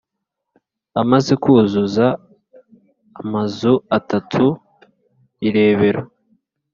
Amaze kuzuza amazu atatu I Rebero